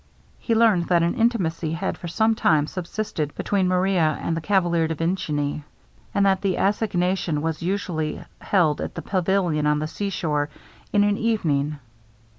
He learned that an intimacy had for some time subsisted between Maria and the Cavalier de Vincini; and that the assignation was usually held at the pavilion on the sea shore, in an evening.